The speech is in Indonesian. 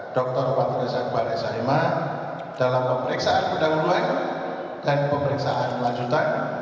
dr pak ferdisat barisahima dalam pemeriksaan pendahuluan dan pemeriksaan lanjutan